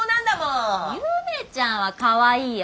ゆめちゃんはかわいいよ。